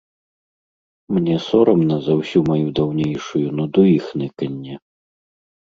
Мне сорамна за ўсю маю даўнейшую нуду і хныканне.